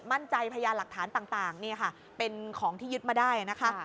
มั่นใจพยายามหลักฐานต่างเป็นของที่ยึดมาได้